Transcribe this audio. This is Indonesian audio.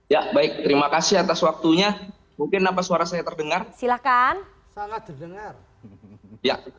ya baik terima kasih atas waktunya mungkin apa suara saya terdengar silakan sangat terdengar